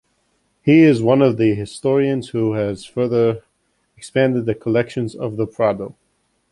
He is one of the historians who has further expanded the collections of the Prado.